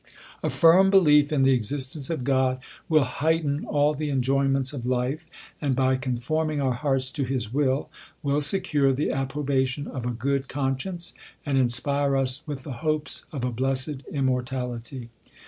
/ firm belief in the existence of God will heighten a the enjoyments of life, and, by conforming our heart to his will, will secure the approbation of a good con science, and inspire us with the hopes of a blessed im mortality.